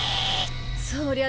そりゃ